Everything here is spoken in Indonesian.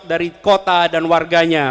dari kota dan warganya